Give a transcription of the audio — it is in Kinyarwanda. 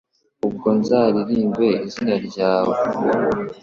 Ubwo nzaririmbe izina ryawe